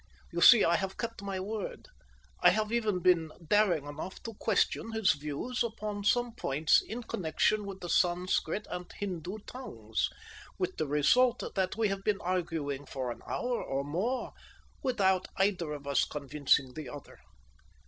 You see I have kept my word. I have even been daring enough to question his views upon some points in connection with the Sanscrit and Hindoo tongues, with the result that we have been arguing for an hour or more without either of us convincing the other.